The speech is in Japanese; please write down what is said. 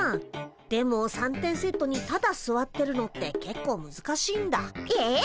でも三点セットにただすわってるのってけっこうむずかしいんだ。え？